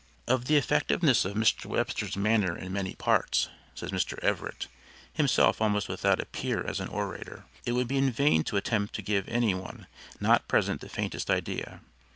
"Of the effectiveness of Mr. Webster's manner in many parts," says Mr. Everett, himself almost without a peer as an orator, "it would be in vain to attempt to give any one not present the faintest idea.